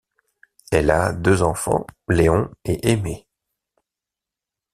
Elle a deux enfants, Léon et Aimée.